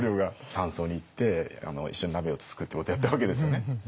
山荘に行って一緒に鍋をつつくっていうことをやったわけですよね。